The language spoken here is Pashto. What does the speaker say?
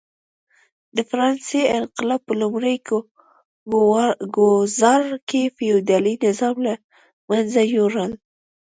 د فرانسې انقلاب په لومړي ګوزار کې فیوډالي نظام له منځه یووړ.